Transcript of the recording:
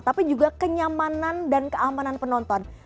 tapi juga kenyamanan dan keamanan penonton